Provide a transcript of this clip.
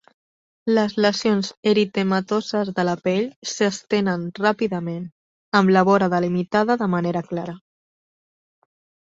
Les lesions eritematoses de la pell s'estenen ràpidament, amb la vora delimitada de manera clara.